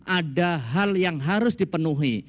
ada hal yang harus dipenuhi